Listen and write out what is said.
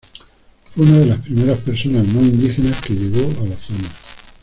Fue una de las primeras personas no indígenas que llegó a la zona.